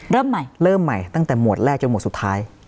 เริ่มใหม่เริ่มใหม่ตั้งแต่หมวดแรกจนหวดสุดท้าย